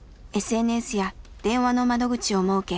ＳＮＳや電話の窓口を設け